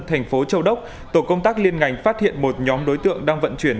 thành phố châu đốc tổ công tác liên ngành phát hiện một nhóm đối tượng đang vận chuyển